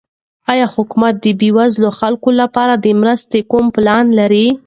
آیا حکومت د بېوزلو خلکو لپاره د مرستو کوم پلان لري؟